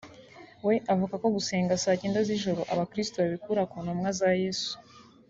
we avuga ko gusenga saa cyenda z’ijoro abakirisito babikura ku ntumwa za Yesu